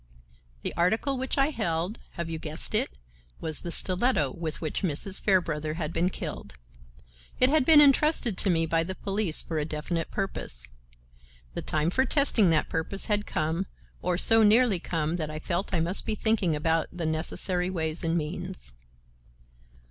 The article which I held—have you guessed it?—was the stiletto with which Mrs. Fairbrother had been killed. It had been intrusted to me by the police for a definite purpose. The time for testing that purpose had come, or so nearly come, that I felt I must be thinking about the necessary ways and means.